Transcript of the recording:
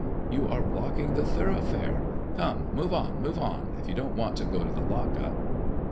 "You are blocking the thoroughfare. Come, move on, move on, if you don't want to go to the lock up."